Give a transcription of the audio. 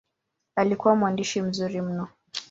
Alikuwa mwandishi mzuri mno.